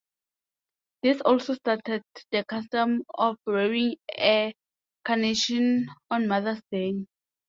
This also started the custom of wearing a carnation on Mother's Day.